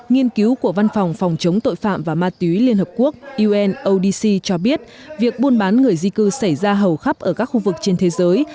nghiên cứu của văn phòng phòng chống tội phạm và ma túy liên hợp quốc unodc cho biết việc buôn bán người di cư xảy ra hầu khắp ở các khu vực trên thế giới